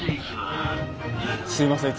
すいません